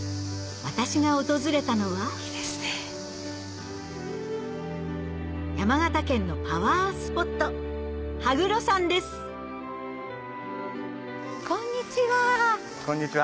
私が訪れたのは山形県のパワースポットこんにちは。